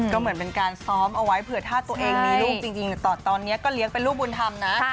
ก็เหมือนเป็นการซ้อมเอาไว้เผื่อถ้าตัวเองมีลูกจริงตอนนี้ก็เลี้ยงเป็นลูกบุญธรรมนะ